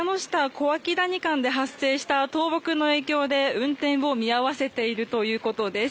小涌谷間で発生した倒木の影響で運転を見合わせているということです。